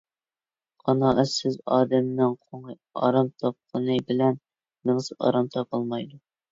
قانائەتسىز ئادەمنىڭ قوڭى ئارام تاپقىنى بىلەن مېڭىسى ئارام تاپالمايدۇ.